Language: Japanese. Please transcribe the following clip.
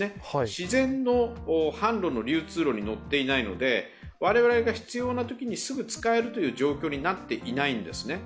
自然の販路の流通路に乗っていないので我々が必要なときにすぐ使えるという状況になってないんですね。